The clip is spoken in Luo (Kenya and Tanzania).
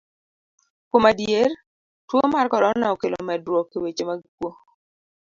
Kuom adier, tuo mar korona okelo medruok e weche mag kuo.